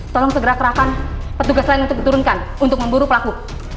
tolong segera kerahkan petugas lain untuk diturunkan untuk memburu pelaku